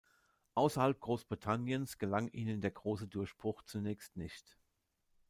Außerhalb Großbritanniens gelang ihnen der große Durchbruch zunächst nicht.